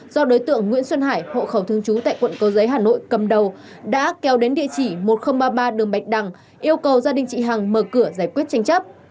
do đối tượng nguyễn xuân hải hộ khẩu thương chú tại quận cầu giấy hà nội cầm đầu đã kéo đến địa chỉ một nghìn ba mươi ba đường bạch đăng yêu cầu gia đình chị hằng mở cửa giải quyết tranh chấp